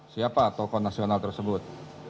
siapa tokoh nasional tersebut